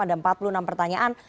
ada empat puluh enam pertanyaan